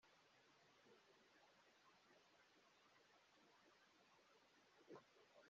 Ibikomere by’umwihariko we ku giti cye yatewe na Jenoside ni bimwe mu byatumye yandika iki gitabo